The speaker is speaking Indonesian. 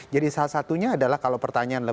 jadi salah satunya adalah kalau pertanyaan lah